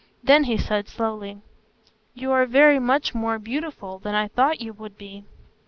Then he said slowly: "You are very much more beautiful than I thought you would be."